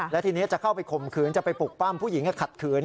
และทีนี้จะเข้าไปข่มขืนจะไปปลุกปั้มผู้หญิงขัดขืน